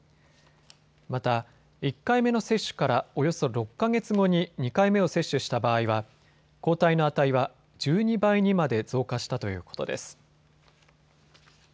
また、１回目の接種からおよそ６か月後に２回目を接種した場合は抗体の値は１２倍にまで増加したということです。